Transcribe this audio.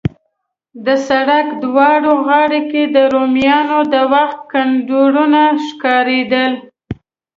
د سړک دواړو غاړو کې د رومیانو د وخت کنډرونه ښکارېدل.